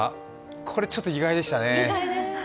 これちょっと意外でしたね。